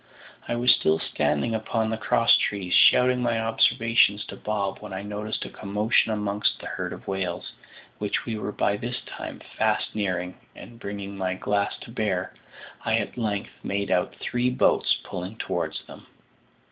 I was still standing upon the cross trees, shouting my observations to Bob, when I noticed a commotion amongst the herd of whales, which we were by this time fast nearing, and bringing my glass to bear, I at length made out three boats pulling towards them.